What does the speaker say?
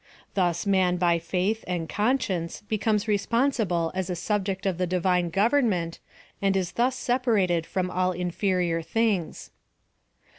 Thus man by faith and conscience be comes responsible as a subject of the divine gov ernment, and is thus separated from all inferior things.